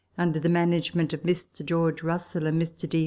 under the management of Mr. George Russell and Mr. D.